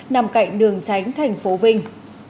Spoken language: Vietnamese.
nằm cạnh đường tránh thành phố vinh